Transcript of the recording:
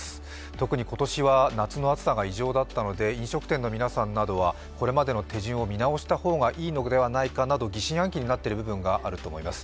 特に今年は夏の暑さが異常だったので、飲食店の皆さんなどはこれまでの手順を見直した方がいいのかなど疑心暗鬼になっている部分があると思います。